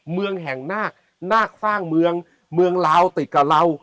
เมืองแห่งนาคนาคสร้างเมืองเมืองลาวติดกับเรา